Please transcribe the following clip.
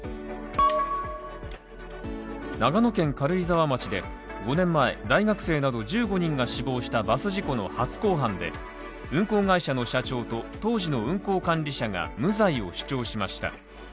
長野県軽井沢町で５年前、大学生など１５人が死亡したバス事故の初公判で、運行会社の社長と、当時の運行管理者が無罪を主張しました。